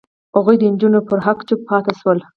هغوی د نجونو پر حق چوپ پاتې شول.